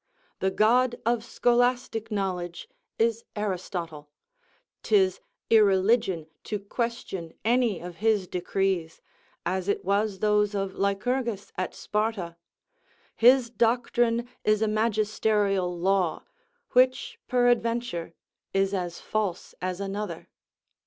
The god of scholastic knowledge is Aristotle; 'tis irreligion to question any of his decrees, as it was those of Lucurgus at Sparta; his doctrine is a magisterial law, which, peradventure, is as false as another.